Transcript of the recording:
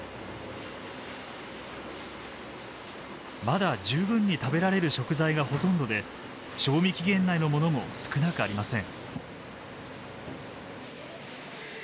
まだ十分に食べられる食材がほとんどで賞味期限内のものも少なくありません。